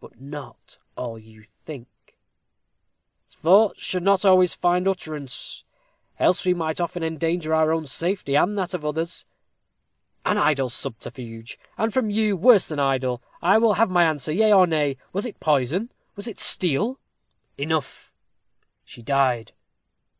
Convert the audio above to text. "But not all you think." "Thoughts should not always find utterance, else we might often endanger our own safety, and that of others." "An idle subterfuge and, from you, worse than idle. I will have an answer, yea or nay. Was it poison was it steel?" "Enough she died."